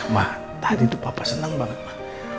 ma tadi itu papa senang banget ma